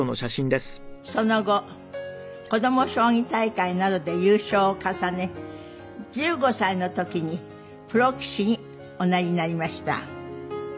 その後子供将棋大会などで優勝を重ね１５歳の時にプロ棋士におなりになりました。